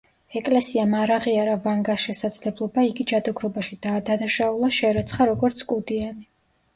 ეკლესიამ არ აღიარა ვანგას შესაძლებლობა, იგი ჯადოქრობაში დაადანაშაულა, შერაცხა როგორც „კუდიანი“.